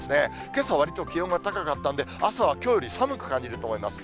けさ、わりと気温が高かったんで、朝はきょうより寒く感じると思います。